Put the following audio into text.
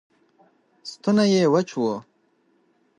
ستونی یې وچ و